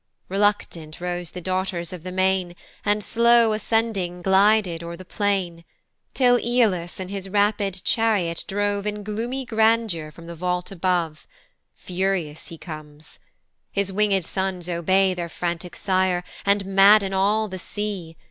Reluctant rose the daughters of the main, And slow ascending glided o'er the plain, Till AEolus in his rapid chariot drove In gloomy grandeur from the vault above: Furious he comes. His winged sons obey Their frantic sire, and madden all the sea.